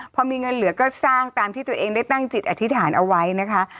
พอมีเงินเหลือก็สร้างตามที่ตัวเองได้ตั้งจิตอธิษฐานเอาไว้นะคะ